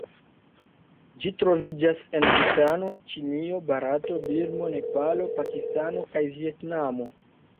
Ĝi troviĝas en Butano, Ĉinio, Barato, Birmo, Nepalo, Pakistano kaj Vjetnamo.